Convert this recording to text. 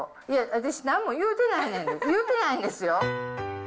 いや、私、なんも言うてないんですよ、言うてないんですよ。